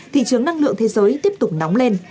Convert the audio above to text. thị trường năng lượng thế giới tiếp tục nóng lên